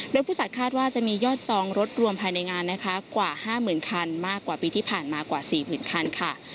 โดยผู้จัดคาดว่าจะมียอดจองรถรวมภายในงานนะคะกว่า๕๐๐๐คันมากกว่าปีที่ผ่านมากว่า๔๐๐๐คันค่ะ